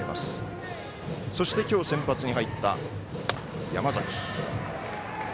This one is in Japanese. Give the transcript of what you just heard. きょう先発に入った山崎。